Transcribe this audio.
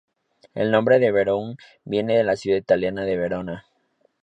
El nombre de Beroun viene de la ciudad italiana de Verona.